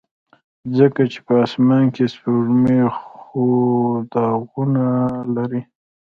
ځکه چې په اسمان کې سپوږمۍ خو داغونه لري.